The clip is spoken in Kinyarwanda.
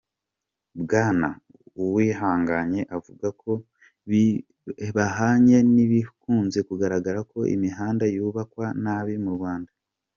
Bwana Uwihanganye avuga ko bihabanye n’ibikunze kugaragara ko imihanda yubakwa nabi mu Rwanda.